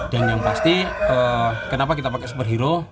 dan yang pasti kenapa kita pakai superhero